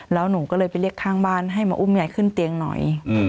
แล้วหนูก็เลยไปเรียกข้างบ้านให้มาอุ้มยายขึ้นเตียงหน่อย